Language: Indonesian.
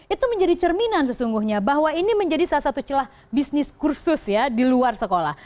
itu menjadi cerminan sesungguhnya bahwa ini menjadi salah satu celah bisnis kursus ya di luar sekolah